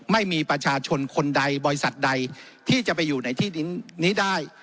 ไม่มีประชาชนคนใดบริษัทใดที่จะไปอยู่ในที่ดินนี้ได้